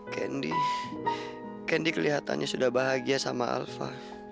candy candy kelihatannya sudah bahagia sama alva